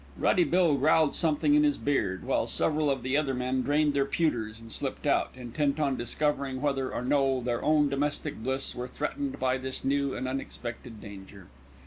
Ruddy Bill growled something in his beard, while several of the other men drained their pewters and slipped out, intent on discovering whether or no their own domestic bliss were threatened by this new and unexpected danger.